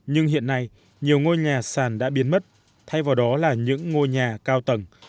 nhưng hiện nay nhiều ngôi nhà sàn đã biến mất thay vào đó là những ngôi nhà cao tầng